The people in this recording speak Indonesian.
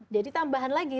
jadi tambahan lagi